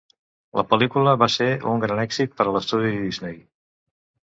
La pel·lícula va ser un gran èxit per a l'estudi Disney.